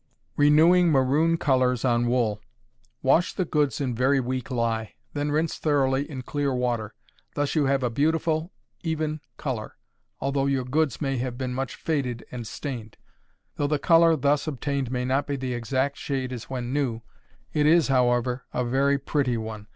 Renewing Maroon Colors on Wool. Wash the goods in very weak lye; then rinse thoroughly in clear water; thus you have a beautiful, even color, although your goods may have been much faded and stained. Though the color thus obtained may not be the exact shade as when new, it is, however, a very pretty one.